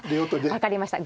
あっ分かりました。